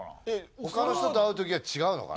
他の人と会う時は違うのかな？